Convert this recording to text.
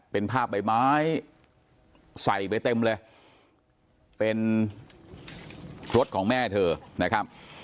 เป็นภาพใบไม้ใส่ไปเต็มเลยเป็นรถของแม่เธอนะครับ